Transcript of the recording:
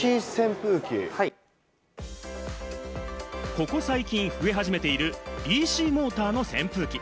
ここ最近増え始めているＤＣモーターの扇風機。